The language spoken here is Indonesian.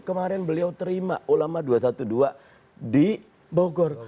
kemarin beliau terima ulama dua ratus dua belas di bogor